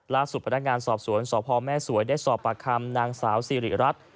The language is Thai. พนักงานสอบสวนสพแม่สวยได้สอบปากคำนางสาวสิริรัตน์